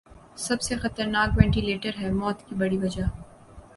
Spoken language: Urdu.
سب سے خطرناک ونٹیلیٹر ہے موت کی بڑی وجہ ۔